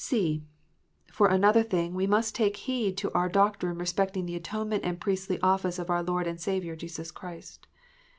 (c) For another thing, we must take heed to our doctrine respecting the atonement and priestly office of our Lord and Saviour Jesus Christ.